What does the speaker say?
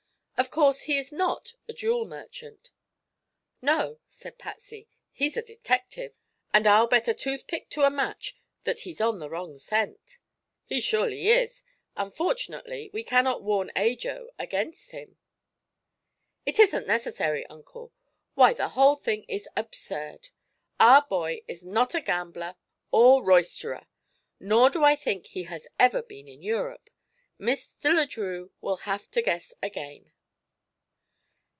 "Of course he is not a jewel merchant." "No," said Patsy, "he's a detective, and I'll bet a toothpick to a match that he's on the wrong scent." "He surely is. Unfortunately, we cannot warn Ajo against him." "It isn't necessary, Uncle. Why, the whole thing is absurd. Our boy is not a gambler or roysterer, nor do I think he has ever been in Europe. Mr. Le Drieux will have to guess again!"